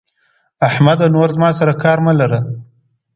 د احمد عمر شپېتو کلونو ته رسېدلی اوس د هرې هڅې نه لوېدلی دی.